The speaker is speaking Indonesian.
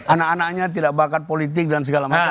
anak anaknya tidak bakat politik dan segala macam